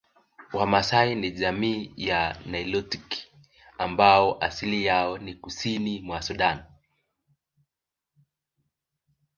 Wamaasai ni jamii ya nilotiki ambao asili yao ni kusini mwa Sudan